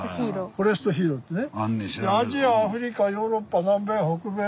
フォレストヒーローってね。